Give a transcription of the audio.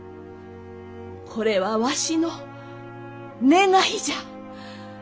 これはわしの願いじゃ！